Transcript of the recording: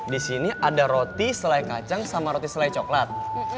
disini ada roti selai kacang sama roti selai coklat